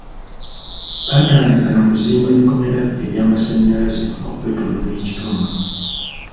Baatandika na kuzimba bikomera eby'amasannyalaze okwetoloola ekitundu.